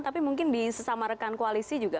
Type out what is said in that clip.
tapi mungkin di sesama rekan koalisi juga